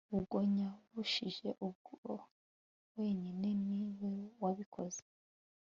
ubwo yanshubije ubwe wenyine ni we wabikoze